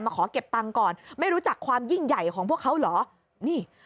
ขอเก็บตังค์ก่อนไม่รู้จักความยิ่งใหญ่ของพวกเขาเหรอนี่